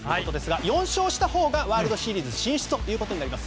４勝したほうがワールドシリーズ進出となります。